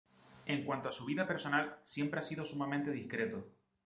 En cuanto a su vida personal, siempre ha sido sumamente discreto.